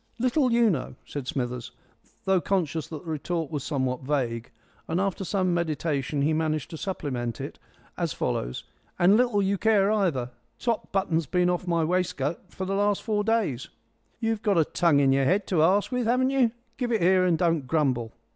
"Little you know!" said Smithers, though conscious that the retort was somewhat vague. After some meditation he managed to supplement it as follows: "And little you care either top button's been off my wescut for the last four days." "You've got a tongue in your head to ask with, haven't you? Give it here and don't grumble."